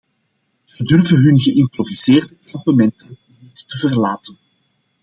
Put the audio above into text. Ze durven hun geïmproviseerde kampementen niet te verlaten.